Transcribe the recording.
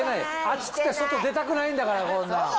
暑くて外出たくないんだからこんなん。